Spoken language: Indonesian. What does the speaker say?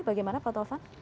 bagaimana pak taufan